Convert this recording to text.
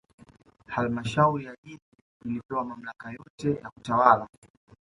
halmashauri ya jiji ilipewa mamlaka yote ya kutawala